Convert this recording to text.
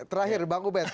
terakhir bang ubet